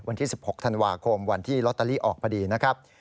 วันที่๑๖ธันวาคมวันที่ลอตเตอรี่ออกพอดีนะครับ